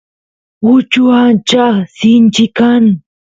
uchu ancha sinchi kan